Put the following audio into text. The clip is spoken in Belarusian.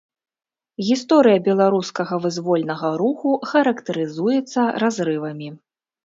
Гісторыя беларускага вызвольнага руху характарызуецца разрывамі.